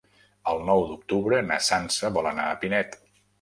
El nou d'octubre na Sança vol anar a Pinet.